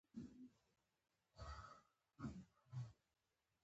شاید زه د ګس فارویک د پیښې له امله ګناهګار یم